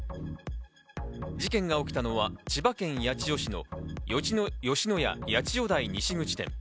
事件が起きたのは千葉県八千代市の吉野家八千代台西口店。